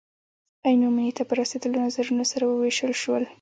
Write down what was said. عینو مینې ته په رسېدلو نظرونه سره ووېشل شول.